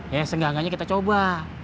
ya seenggak enggaknya kita coba